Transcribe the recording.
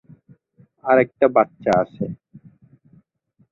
আরেকটা বাচ্চা আছে।